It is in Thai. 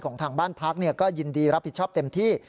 ทางบ้านพักก็ยินดีรับผิดชอบเต็มที่